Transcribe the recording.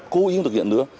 cố ý không thực hiện nữa